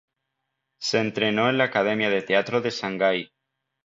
Se entrenó en la Academia de Teatro de Shanghai.